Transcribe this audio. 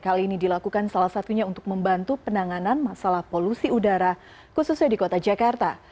hal ini dilakukan salah satunya untuk membantu penanganan masalah polusi udara khususnya di kota jakarta